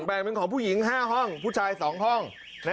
เป็นของผู้หญิง๕ห้องผู้ชาย๒ห้อง